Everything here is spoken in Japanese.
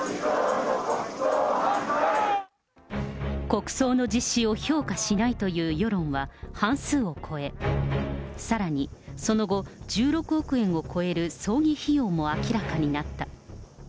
国葬の実施を評価しないという世論は半数を超え、さらに、その後１６億円を超える葬儀費用も明らかになった。